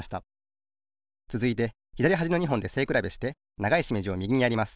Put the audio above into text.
つづいてひだりはじの２ほんでせいくらべしてながいしめじをみぎにやります。